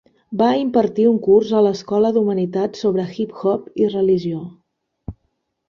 Va impartir un curs a l'Escola d'Humanitats sobre Hip-Hop i Religió.